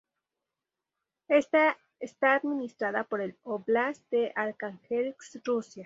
Está administrada por el óblast de Arjángelsk, Rusia.